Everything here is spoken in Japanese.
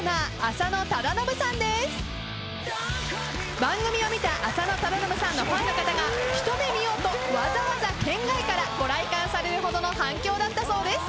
番組を見た浅野忠信さんのファンの方が一目見ようとわざわざ県外からご来館されるほどの反響だったそうです。